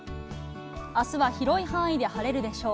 あすは広い範囲で晴れるでしょう。